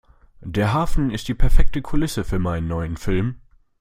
Der Hafen ist die perfekte Kulisse für meinen neuen Film.